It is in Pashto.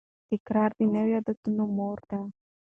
تکرار د نوي عادت مور ده.